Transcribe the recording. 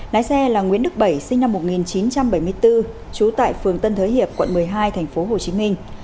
lái xe là nguyễn đức bảy sinh năm một nghìn chín trăm bảy mươi bốn trú tại phường tân thới hiệp quận một mươi hai thành phố hồ chí minh